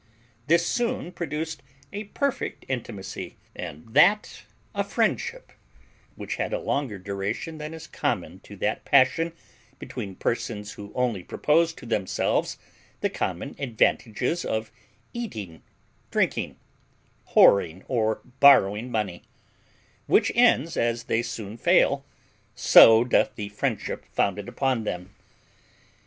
This soon produced a perfect intimacy, and that a friendship, which had a longer duration than is common to that passion between persons who only propose to themselves the common advantages of eating, drinking, whoring, or borrowing money; which ends, as they soon fail, so doth the friendship founded upon them.